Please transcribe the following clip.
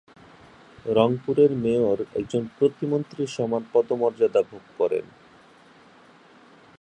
রংপুরের মেয়র একজন প্রতিমন্ত্রীর সমান পদমর্যাদা ভোগ করেন।